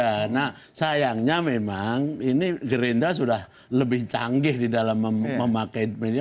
karena sayangnya memang ini gerindra sudah lebih canggih di dalam memakai media